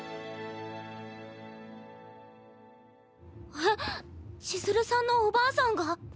えっ千鶴さんのおばあさんが？